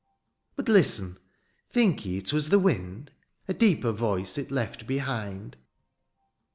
^' But listen ! think ye 'twas the wind ?'' A deeper voice it left behind.